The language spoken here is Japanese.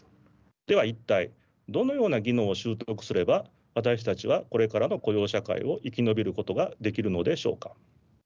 では一体どのような技能を習得すれば私たちはこれからの雇用社会を生き延びることができるのでしょうか。